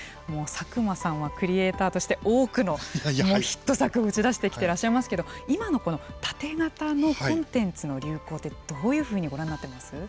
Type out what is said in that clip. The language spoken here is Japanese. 佐久間さんはクリエーターとして多くのヒット作を打ち出してきていらっしゃいますけど今のこのタテ型のコンテンツの流行ってどういうふうにご覧になってますか。